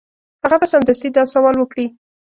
هغه به سمدستي دا سوال وکړي.